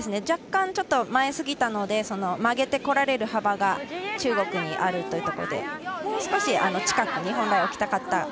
若干、前すぎたので曲げてこられる幅が中国にあるということでもう少し近く置きたかった。